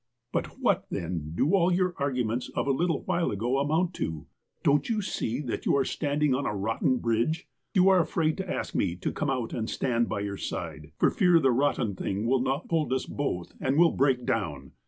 ''But what, then, do all your arguments of a little while ago amount to ? Don't you see that you are stand ing on a rotten bridge'? You are afraid to ask me to come out and stand by your side, for fear the rotten thing will not hold us both, but will break down.